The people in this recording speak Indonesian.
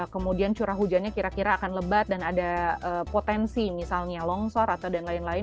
kemudian curah hujannya kira kira akan lebat dan ada potensi misalnya longsor atau dan lain lain